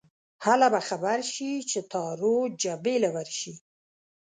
هله به خبر شې چې تارو جبې له ورشې